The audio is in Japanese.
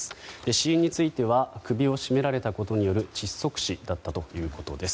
死因については首を絞められたことによる窒息死だったということです。